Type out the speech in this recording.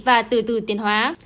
và từ từ tiên hóa